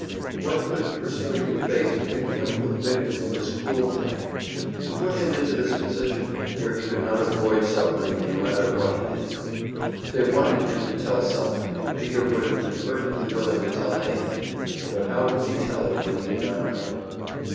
What could have persuaded fate to pick him for the victim of this cruel prank; to put him into this position, where he could not avoid suffering, no matter what he did? They wanted him to tell something, and Peter would have been perfectly willing to tell anything but how could he tell it when he did not know it?